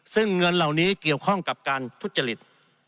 ซึ่งเงินเหล่านี้เกี่ยวข้องกับการทุจริต